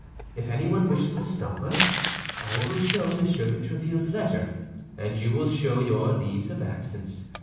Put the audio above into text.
If anyone wishes to stop us, I will show Monsieur de Tréville's letter, and you will show your leaves of absence.